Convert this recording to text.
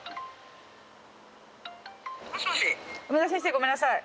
ごめんなさい。